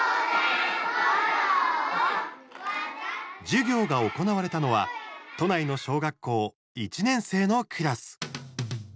授業が行われたのは都内の小学校１年生のクラス。